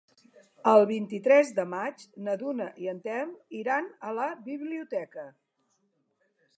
El vint-i-tres de maig na Duna i en Telm iran a la biblioteca.